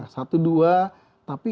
satu dua tapi